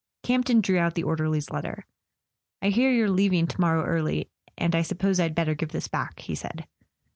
Campton drew out the orderly's letter. "I hear you're leaving to morrow early, and I suppose I'd better give this back," he said.